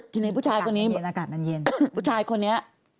ที่นี่ผู้ชายคนนี้ผู้ชายคนนี้